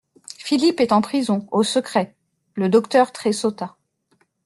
Philippe est en prison, au secret … Le docteur tressauta.